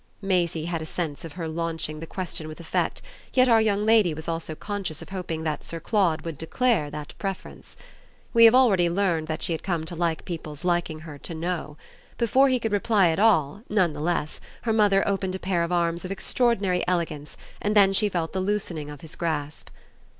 Maisie had a sense of her launching the question with effect; yet our young lady was also conscious of hoping that Sir Claude would declare that preference. We have already learned that she had come to like people's liking her to "know." Before he could reply at all, none the less, her mother opened a pair of arms of extraordinary elegance, and then she felt the loosening of his grasp.